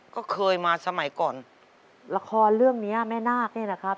ก็เคยมาสมัยก่อนละครเรื่องเนี้ยแม่นาคเนี่ยนะครับ